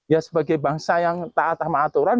ya sebagai bangsa yang tak atas aturan